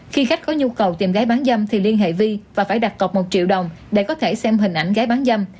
khi khách có nhu cầu tìm gái bán dâm thì liên hệ vi và phải đặt cọc một triệu đồng để có thể xem hình ảnh gái bán dâm